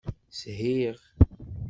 Shiɣ.